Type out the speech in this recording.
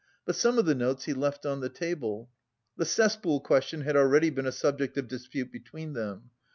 But some of the notes he left on the table. The "cesspool question" had already been a subject of dispute between them.